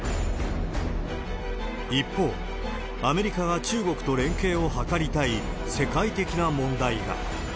一方、アメリカが中国と連携を図りたい世界的な問題が。